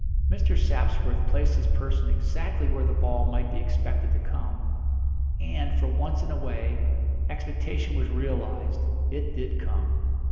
Mr. Sapsworth placed his person exactly where the ball might be expected to come, and, for once in a way, expectation was realised it did come.